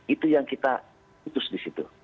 itu yang kita putus di situ